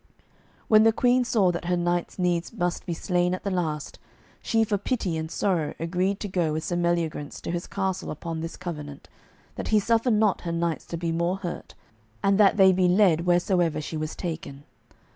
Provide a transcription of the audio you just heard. When the Queen saw that her knights needs must be slain at the last, she for pity and sorrow agreed to go with Sir Meliagrance to his castle upon this covenant, that he suffer not her knights to be more hurt, and that they be led wheresoever she was taken.